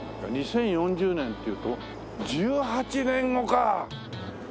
２０４０年っていうと１８年後かあ。